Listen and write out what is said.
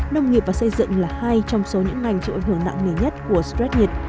nông nghiệp và xây dựng là hai trong số những ngành chịu ảnh hưởng nặng nề nhất của stress nhiệt